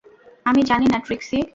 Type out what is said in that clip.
আমি জানিনা, ট্রিক্সি।